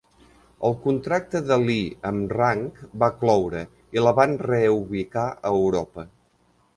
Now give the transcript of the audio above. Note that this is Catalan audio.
El contracte de Lee amb Rank va cloure i la van reubicar a Europa.